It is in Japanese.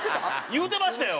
言うてましたよ！